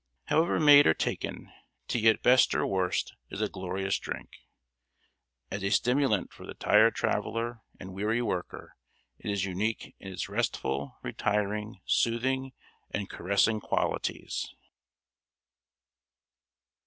However made or taken, tea at best or worst is a glorious drink. As a stimulant for the tired traveller and weary worker it is unique in its restful, retiring, soothing, and caressing qualities.